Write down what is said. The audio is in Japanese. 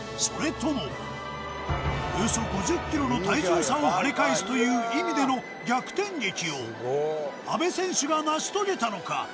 それともおよそ５０ｋｇの体重差を跳ね返すという意味での逆転劇を阿部選手が成し遂げたのか？